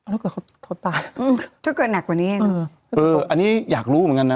ถ้าเกิดเขาตายอืมถ้าเกิดหนักกว่านี้เองเอออันนี้อยากรู้เหมือนกันนะ